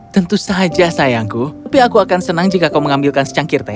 tentu saja sayangku tapi aku akan senang jika kau mengambilkan secangkir teh